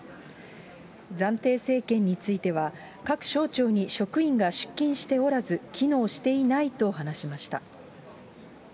暫定政権については、各省庁に職員が出勤しておらず、機能していないと話しました。